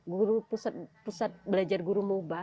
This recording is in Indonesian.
guru pusat belajar guru moba